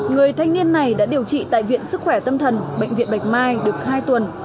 người thanh niên này đã điều trị tại viện sức khỏe tâm thần bệnh viện bạch mai được hai tuần